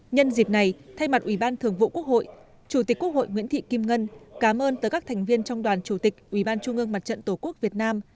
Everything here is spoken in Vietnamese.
nhân dịp này thay mặt ubnd chủ tịch quốc hội nguyễn thị kim ngân cám ơn tới các thành viên trong đoàn chủ tịch ubnd tổ quốc việt nam